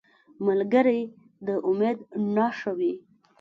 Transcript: ملګری د امید نښه وي